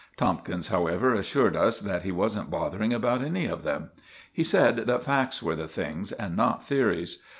Tomkins, however, assured us that he wasn't bothering about any of them. He said that facts were the things, and not theories.